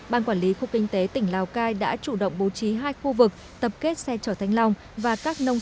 ban quản lý khu kinh tế tỉnh lào cai đã chủ động bố trí hai khu vực tập kết xe chở thanh long và các nông